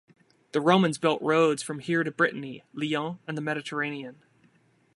The Romans built roads from here to Brittany, Lyon and the Mediterranean.